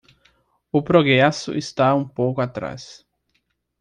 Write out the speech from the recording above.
O progresso está um pouco atrás